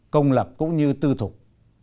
công lập cũng như tư thuộc